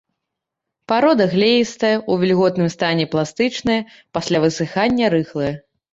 Парода глеістая, у вільготным стане пластычная, пасля высыхання рыхлая.